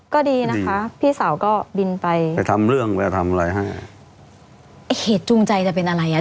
ก็ดีนะคะพี่สาวก็บินไปไปทำเรื่องไปทำอะไรให้ไอ้เหตุจูงใจจะเป็นอะไรอ่ะ